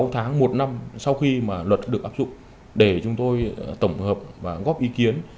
sáu tháng một năm sau khi mà luật được áp dụng để chúng tôi tổng hợp và góp ý kiến